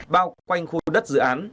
bao quanh khu đất dự án